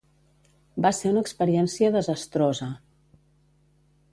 Va ser una experiència desastrosa!